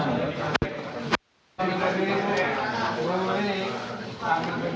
boleh layar hi lima do yang sudah kami kongpor